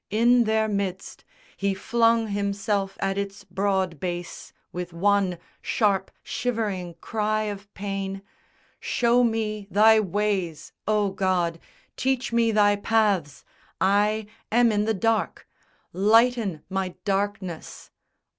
In their midst He flung himself at its broad base, with one Sharp shivering cry of pain, "Show me Thy ways, O God, teach me Thy paths! I am in the dark! Lighten my darkness!"